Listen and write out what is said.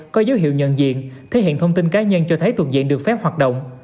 có dấu hiệu nhận diện thể hiện thông tin cá nhân cho thấy thuộc diện được phép hoạt động